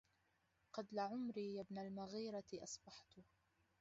قد لعمري يا ابن المغيرة أصبحت